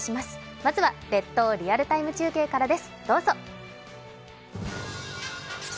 まずは列島リアルタイム中継からです。